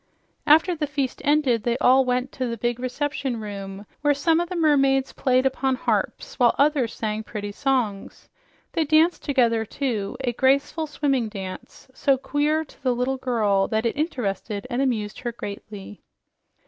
After the feast ended, they all went to the big reception room, where some of the mermaids played upon harps while others sang pretty songs. They danced together, too a graceful, swimming dance, so queer to the little girl that it interested and amused her greatly.